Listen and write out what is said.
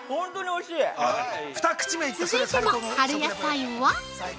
◆続いての春野菜は？